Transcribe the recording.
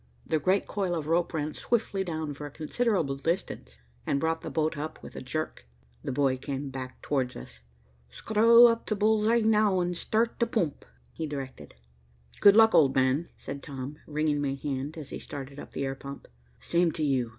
The great coil of rope ran swiftly down for a considerable distance, and brought the boat up with a jerk. The boy came back towards us. "Screw up t' bull's eye now an' start t' poomp," he directed. "Good luck, old man," said Tom, wringing my hand, as he started up the air pump. "Same to you.